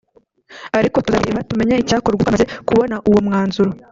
ariko tuzabireba tumenye icyakorwa twamaze kubona uwo mwanzuro